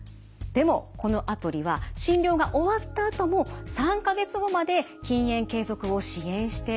でもこのアプリは診療が終わったあとも３か月後まで禁煙継続を支援してくれるんです。